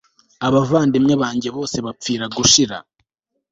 abavandimwe banjye bose bapfira gushira